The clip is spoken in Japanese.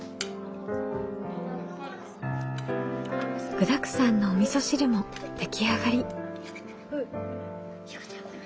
具だくさんのおみそ汁も出来上がり。